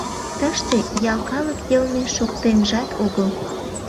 Тыште ял калык йылме шоктенжат огыл.